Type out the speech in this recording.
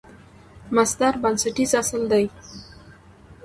مصدر بنسټیز اصل دئ.